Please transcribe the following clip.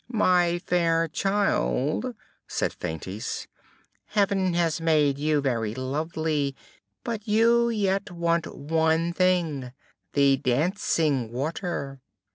"My fair child," said Feintise, "Heaven has made you very lovely, but you yet want one thing the dancing water.